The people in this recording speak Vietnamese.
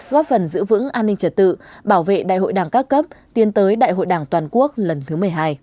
góp phần giữ vững an ninh trật tự bảo vệ đại hội đảng các cấp tiến tới đại hội đảng toàn quốc lần thứ một mươi hai